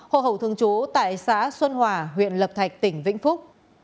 hồ hậu thường trú tại xã xuân hòa huyện lập thạch tỉnh vĩnh phúc